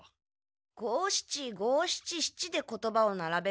五七五七七で言葉をならべるんだね。